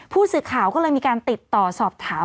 ผู้สื่อข่าวก็เลยมีการติดต่อสอบถาม